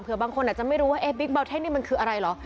บางคนอาจจะไม่รู้ว่าเอ๊บิ๊กเบาเท่นนี่มันคืออะไรเหรอ